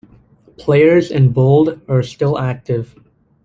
Players in bold are still active.